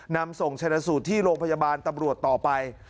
นำส่งชนะสูตรที่โรงพยาบาลตำรวจต่อไป